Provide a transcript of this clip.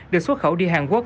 được xuất khẩu đi hàn quốc